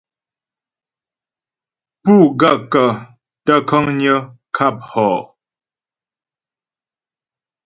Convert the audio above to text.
Pú gaə̂kə́ tə kə̀ŋgnə̀ ŋkâp hɔ ?